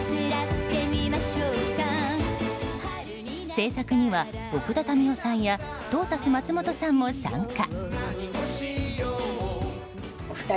制作には、奥田民生さんやトータス松本さんも参加。